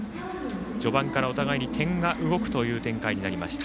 序盤からお互いに点が動くという展開になりました。